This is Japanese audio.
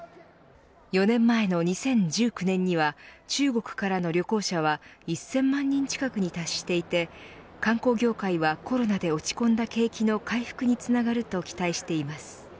４年前の２０１９年には中国からの旅行者は１０００万人近くに達していて観光業界はコロナで落ち込んだ景気の回復につながると期待しています。